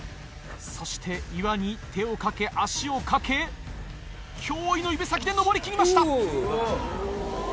そして岩に手をかけ足をかけ驚異の指先で登りきりました。